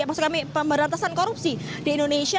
maksud kami pemberantasan korupsi di indonesia